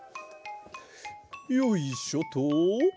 よいしょと。